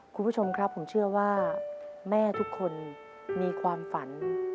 คุณผู้ชมครับผมเชื่อว่าแม่ทุกคนมีความฝัน